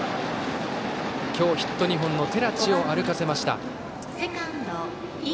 今日ヒット２本の寺地を歩かせました。